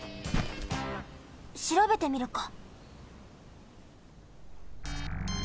しらべてみるか。